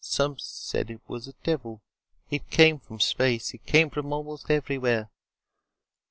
Some said it was a devil. It came from space. It came from almost anywhere.